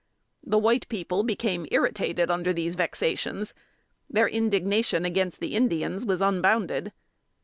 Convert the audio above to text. The white people became irritated under these vexations. Their indignation against the Indians was unbounded.